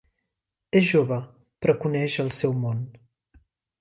És jove, però coneix el seu món.